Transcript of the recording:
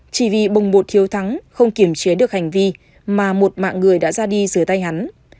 chỉ vì bồng bột thiếu thắng không kiểm chế được hành vi mà một mạng người đã ra đi giữa tay hắn